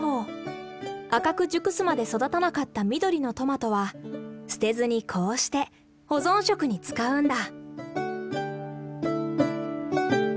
赤く熟すまで育たなかった緑のトマトは捨てずにこうして保存食に使うんだ。